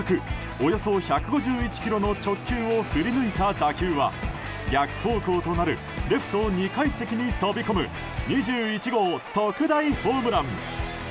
およそ１５１キロの直球を振り抜いた打球は逆方向となるレフト２階席に飛び込む２１号特大ホームラン。